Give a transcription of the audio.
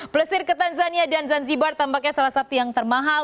pelesir ke tanzania dan zanzibar tampaknya salah satu yang termahal